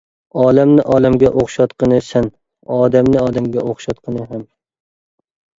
ئالەمنى ئالەمگە ئوخشاتقىنى سەن، ئادەمنى ئادەمگە ئوخشاتقىنى ھەم.